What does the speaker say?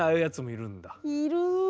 いる。